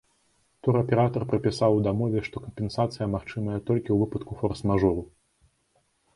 Тураператар прапісаў у дамове, што кампенсацыя магчымая толькі ў выпадку форс-мажору.